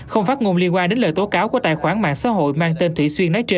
không phát ngôn liên quan đến lời tố cáo của tài khoản mạng xã hội mang tên thụy xuyên nói trên